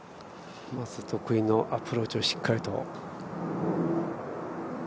まず、得意のアプローチをしっかりと。